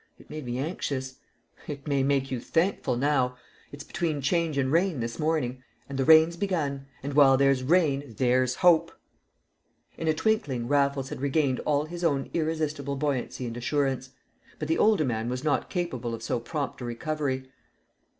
It made me anxious." "It may make you thankful now. It's between Change and Rain this morning. And the rain's begun, and while there's rain there's hope!" In a twinkling Raffles had regained all his own irresistible buoyancy and assurance. But the older man was not capable of so prompt a recovery.